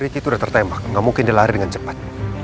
ricky itu udah tertembak gak mungkin dia lari dengan cepat